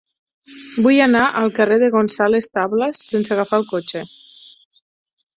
Vull anar al carrer de González Tablas sense agafar el cotxe.